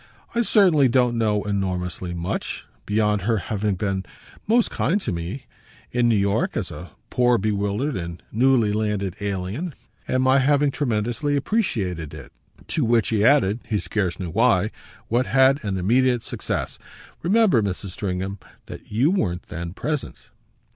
"I certainly don't know enormously much beyond her having been most kind to me, in New York, as a poor bewildered and newly landed alien, and my having tremendously appreciated it." To which he added, he scarce knew why, what had an immediate success. "Remember, Mrs. Stringham, that you weren't then present."